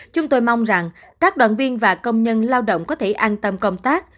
chúng tôi mong rằng các đoàn viên và công nhân lao động có thể an tâm công tác